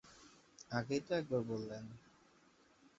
আগেই তো একবার বললেন।